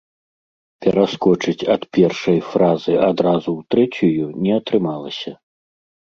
Пераскочыць ад першай фазы адразу ў трэцюю не атрымалася.